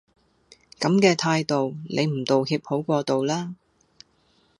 咁嘅態度，你唔道歉好過道啦